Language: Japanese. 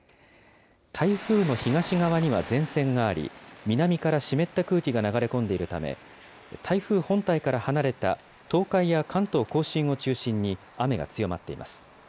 台風の東側には前線があり、南から湿った空気が流れ込んでいるため、台風本体から離れた東海や関東甲信を中心に雨が強まっています。